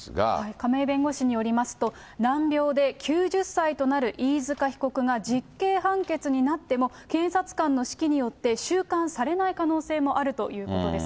亀井弁護士によりますと、難病で９０歳となる飯塚被告が実刑判決になっても、検察官の指揮によって収監されない可能性もあるということです。